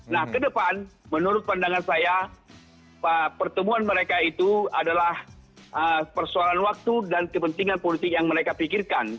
nah ke depan menurut pandangan saya pertemuan mereka itu adalah persoalan waktu dan kepentingan politik yang mereka pikirkan